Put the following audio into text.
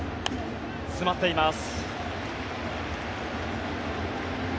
詰まっています。